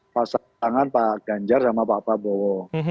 pasangan pak ganjar sama pak pak bowo